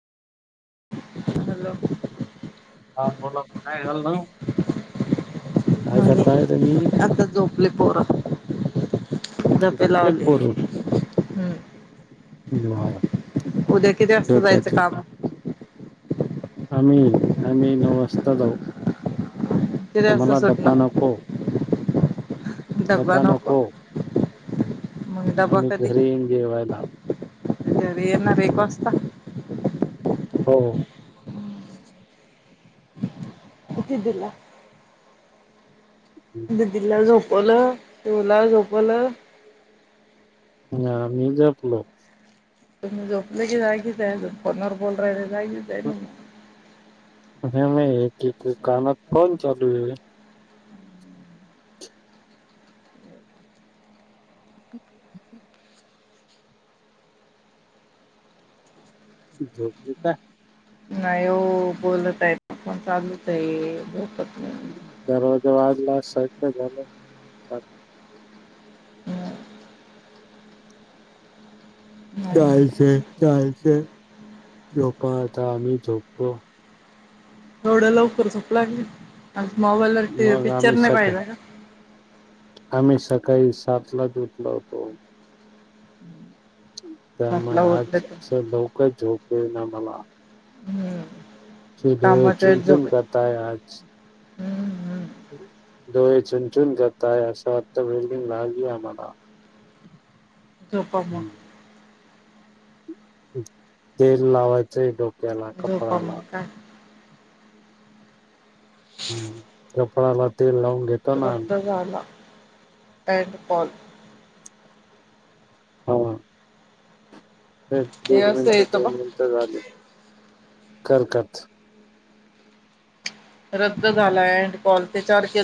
Hello हा कोणंला काय झाल न काय म्हणजे करतायत. आता झोपले पोर झपे झोपले लावले पोरून हूं [inaudible] उद्या किती वात जायचं झोपायचे कामवर आम्ही आम्ही नंबर वाजता जाऊ. किती वाजता तम्हाला डब्बा सुटणार नको. डब्बा नको. मग डब्बा आम्ही कधी घरी येईन जेवायला. घरी येणार एक वाजता. हो. किती दिला? दीदीला झोप ओल पिऊला झोपवल अन आम्ही झोपलो. तुम्ही झोपले की जागीच ये अजून फोनवर बोलु राहले जागीच आहे नं म [unintelligible] एक एक कानात फोन चालू ये. झोपली काय? नाही हो बोलत आहे फोन चालूच ये झोपते ना दररोज वाज लास झाले. नाही [unintelligible] झोपा आता आम्ही झोपतो. एवढं लवकर झोप लागली अ मोबाईल ला टी मग पिक्चर आम्ही नाही सकाळ पाहिला का आम्ही सकाळी सात लाच उठल होतो. त्यामुळे सातला उठलं आज तर असं लवकरच झो ये ना मला हम्म चिदे कामात चुन चुन झोपत करताय आज. हम्म हम्म. डोळे चुणचुन जातय असा आर्थ वेल्डिंग लागली आम्हाला [unintelligible] तेल लावायचंय डो [unintelligible] ह कपडा लात तेल लावून घेतो ना आम्ही. पँड पॉल. हे दोन असं मिनट येतं बघ दोन मिनट झाले. कर कट. रद्द झाला अड कॉल ते चार के